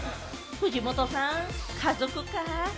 藤本さん、家族か。